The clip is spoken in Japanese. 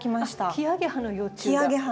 キアゲハの幼虫が。